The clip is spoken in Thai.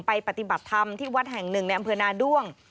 ปฏิบัติธรรมที่วัดแห่งหนึ่งในอำเภอนาด้วง